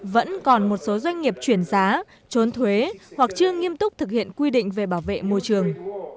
vẫn còn một số doanh nghiệp chuyển giá trốn thuế hoặc chưa nghiêm túc thực hiện quy định về bảo vệ môi trường